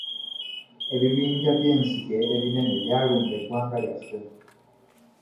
Ebibinja by'enzige ebinene byalumba eggwanga lyaffe.